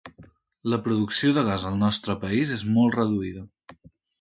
La producció de gas al nostre país és molt reduïda.